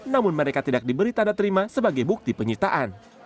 namun mereka tidak diberi tanda terima sebagai bukti penyitaan